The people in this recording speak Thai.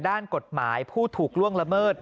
ด้านกฎหมายผู้ถูกล่วงละเมิด